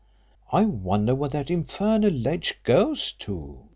"I wonder where that infernal ledge goes to?"